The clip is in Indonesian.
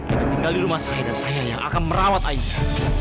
ada tinggal di rumah saya dan saya yang akan merawat ayah